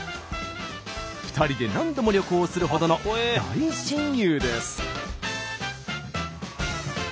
２人で何度も旅行するほどの大親友です。